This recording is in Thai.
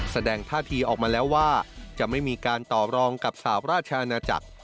แสดงท่าทีออกมาแล้วว่าจะไม่มีการตอบรองกับสาวราชอาณาจักร